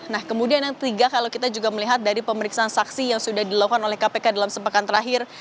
nah kemudian yang ketiga kalau kita juga melihat dari pemeriksaan saksi yang sudah dilakukan oleh kpk dalam sepekan terakhir